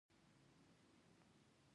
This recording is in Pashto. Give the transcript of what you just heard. خاموشۍ ته غوږ ونیسئ ډېر څه د ویلو لپاره لري.